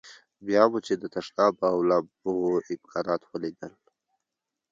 بیا مو چې د تشناب او لمبو امکانات ولیدل.